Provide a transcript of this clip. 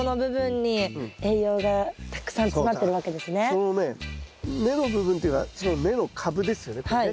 そのね根の部分っていうかその根の株ですよねこれね。